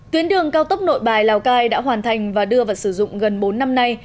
tuyến đường cao tốc nội bài lào cai đã hoàn thành và đưa vào sử dụng gần bốn năm nay